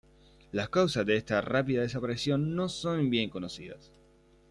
Las causas de esta rápida desaparición no son bien conocidas.